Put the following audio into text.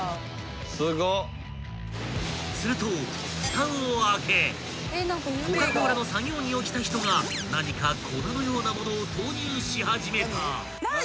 ［するとふたを開けコカ・コーラの作業着を着た人が何か粉のような物を投入し始めた］